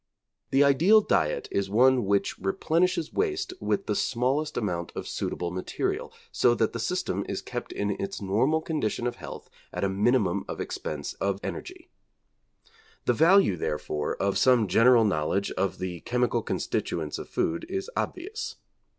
The ideal diet is one which replenishes waste with the smallest amount of suitable material, so that the system is kept in its normal condition of health at a minimum of expense of energy. The value, therefore, of some general knowledge of the chemical constituents of food is obvious.